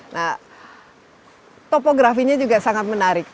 nah topografinya juga sangat menarik